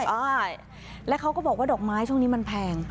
ใช่แล้วเขาก็บอกว่าดอกไม้ช่วงนี้มันแพง